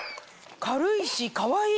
軽いしかわいい。